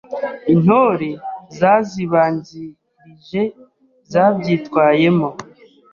Intore zazibanzirije zabyitwayemo.